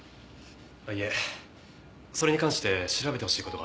いえそれに関して調べてほしい事があるんです。